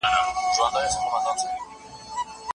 څوک د سوداګریزو تړونونو څارنه کوي؟